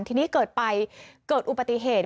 ทีนี้เกิดไปเกิดอุบัติเหตุ